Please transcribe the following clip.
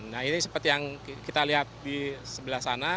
nah ini seperti yang kita lihat di sebelah sana